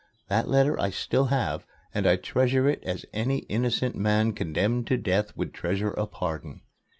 That letter I still have, and I treasure it as any innocent man condemned to death would treasure a pardon.